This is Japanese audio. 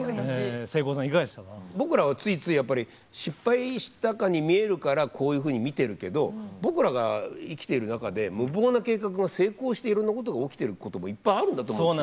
僕らはついついやっぱり失敗したかに見えるからこういうふうに見てるけど僕らが生きてる中で無謀な計画が成功していろんなことが起きてることもいっぱいあるんだと思うんですよ。